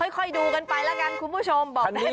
ค่อยดูกันไปละกันคุณผู้ชม